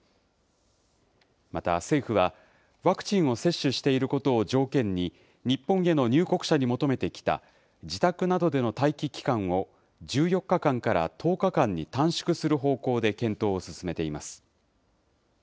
また政府は、ワクチンを接種していることを条件に、日本への入国者に求めてきた自宅などでの待機期間を、１４日間から１０日間に短縮する方向で検討を進めています。